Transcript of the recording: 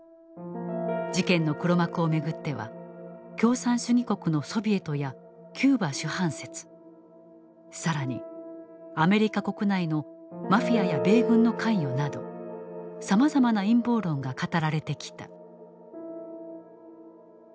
事件の黒幕を巡っては共産主義国のソビエトやキューバ主犯説更にアメリカ国内のマフィアや米軍の関与などさまざまな陰謀論が語られてきた。